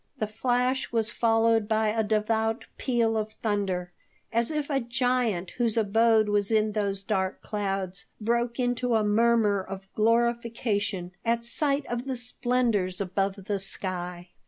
The flash was followed by a devout peal of thunder, as if a giant whose abode was in those dark clouds broke into a murmur of glorification at sight of the splendors above the sky.